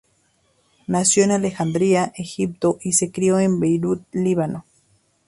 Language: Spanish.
Nació en Alejandría, Egipto, y se crio en Beirut, Líbano.